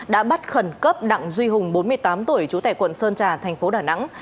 đã bắt khẩn cấp đặng duy hùng bốn mươi tám tuổi chú tẻ quận sơn trà tp đà nẵng